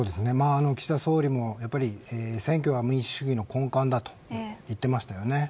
岸田総理もやっぱり選挙は民主主義の根幹だと言ってましたよね。